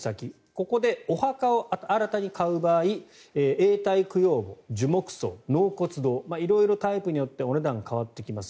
ここでお墓を新たに買う場合永代供養墓、樹木葬、納骨堂色々タイプによってお値段が変わってきます